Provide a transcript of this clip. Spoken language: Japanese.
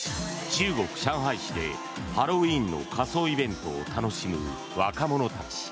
中国・上海市でハロウィーンの仮装イベントを楽しむ若者たち。